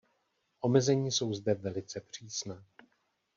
Omezení jsou zde velice přísná.